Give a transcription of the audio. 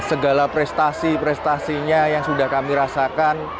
segala prestasi prestasinya yang sudah kami rasakan